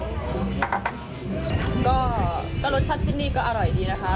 ก็รสชาติที่นี่ก็อร่อยดีนะคะ